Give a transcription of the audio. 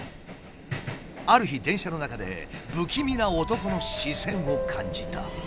ある日電車の中で不気味な男の視線を感じた。